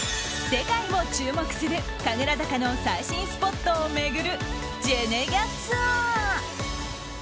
世界も注目する神楽坂の最新スポットを巡るジェネギャツアー。